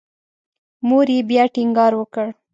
مور یې بیا ټینګار وکړ.